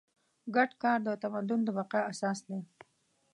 ګډ کار د تمدن د بقا اساس دی.